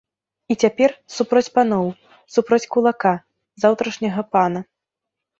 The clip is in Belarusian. І цяпер супроць паноў, супроць кулака, заўтрашняга пана.